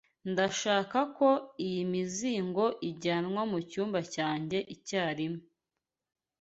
Ndashaka ko iyi mizigo ijyanwa mucyumba cyanjye icyarimwe.